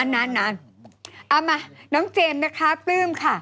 เอามาน้องเจมส์นะคะปลื้มค่ะ